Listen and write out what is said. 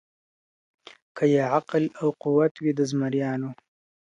که یې عقل او قوت وي د زمریانو `